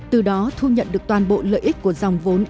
từ đó thu nhận được toàn bộ lợi ích của dòng vốn